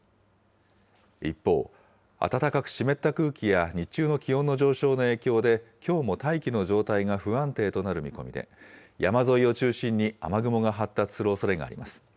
一方、暖かく湿った空気や日中の気温の上昇の影響で、きょうも大気の状態が不安定となる見込みで、山沿いを中心に雨雲が発達するおそれがあります。